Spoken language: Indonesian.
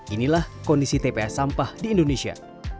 inilah kondisi tpa sampah di indonesia